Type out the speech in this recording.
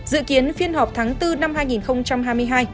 dự kiến phiên họp tháng bốn năm hai nghìn hai mươi hai